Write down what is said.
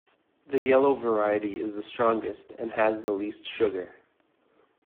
The yellow variety is the strongest and has the least sugar.